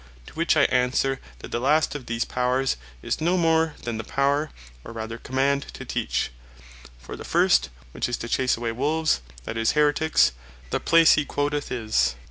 To which I answer, that the last of these Powers, is no more than the Power, or rather Command to Teach. For the first, which is to chase away Wolves, that is, Haeretiques, the place hee quoteth is (Matth. 7.15.)